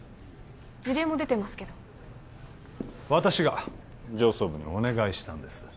辞令も出てますけど私が上層部にお願いしたんです